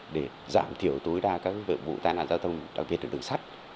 để giảm thiểu tối đa các vụ tai nạn giao thông đặc biệt là đường sắt